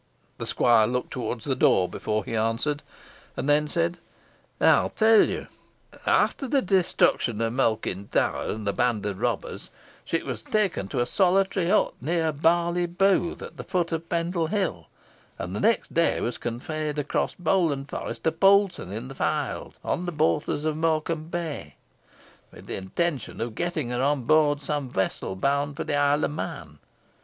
The squire looked towards the door before he answered, and then said "I will tell you. After the destruction of Malkin Tower and the band of robbers, she was taken to a solitary hut near Barley Booth, at the foot of Pendle Hill, and the next day was conveyed across Bowland Forest to Poulton in the Fyld, on the borders of Morecambe Bay, with the intention of getting her on board some vessel bound for the Isle of Man.